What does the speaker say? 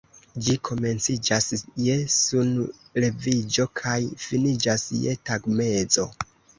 Ĝi komenciĝas je sunleviĝo kaj finiĝas je tagmezo.